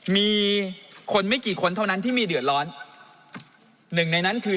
มีคนไม่กี่คนเท่านั้นที่มีเดือดร้อนหนึ่งในนั้นคือ